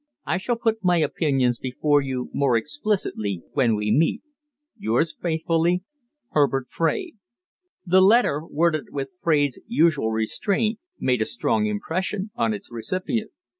I shall put my opinions before you more explicitly when we meet. "Yours faithfully, HERBERT FRAIDE." The letter, worded with Fraide's usual restraint, made a strong impression on its recipient.